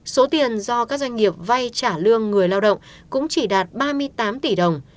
số tiền do các doanh nghiệp vay trả lương người lao động cũng chỉ đạt ba mươi tám tỷ đồng